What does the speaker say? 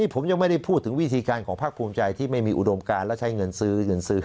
ผมยังไม่ได้พูดถึงวิธีที่การของพลักฐานภูมิใจไม่มีอุดมการแล้วใช้เงินซื้อ